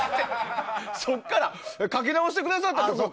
そこから書き直してくださった。